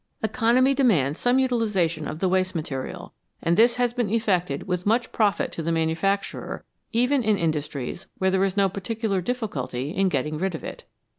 Economy demands some utilisation of the waste material, and this has been effected with much profit to the manufacturer even in industries where there is no particular difficulty in getting rid of it.